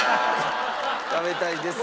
「食べたいです」。